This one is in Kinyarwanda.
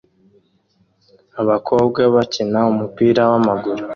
Abakobwa bakina umupira wamaguru